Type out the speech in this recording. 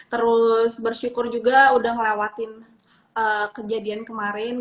terus bersyukur juga udah ngelewatin kejadian kemarin